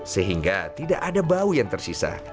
sehingga tidak ada bau yang tersisa